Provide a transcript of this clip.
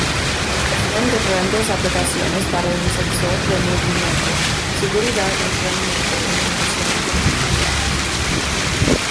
Existen diferentes aplicaciones para un sensor de movimiento: seguridad, entretenimiento, iluminación, comodidad.